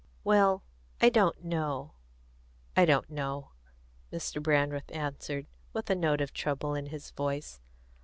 "Well, I don't know I don't know," Mr. Brandreth answered, with a note of trouble in his voice.